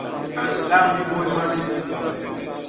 A nlañ hibôy malép.